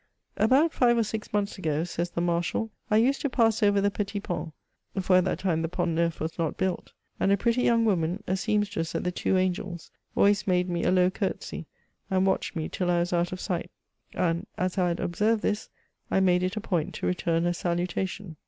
"About five or six months ago," says the Marshal, "I used to pass over the Petit Pont (for at that time the Pont Neuf was not built), and a pretty young woman, a seamstress at the Two Angels, always made me a low curtsey, and watched me till I was out of sight ; and as I had observed thisy I made it a point to return her salutation.